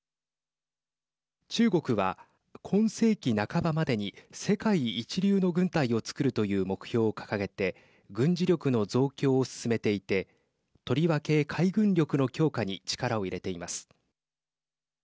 中国は、今世紀半ばまでに世界一流の軍隊をつくるという目標を掲げて軍事力の増強を進めていてとりわけ海軍力の強化に力を入れています。